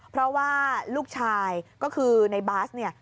เพราะว่าลูกชายก็คือในบ๊าซ